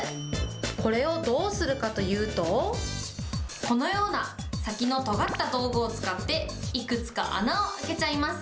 これをどうするかというと、このような先のとがった道具を使って、いくつか穴を開けちゃいます。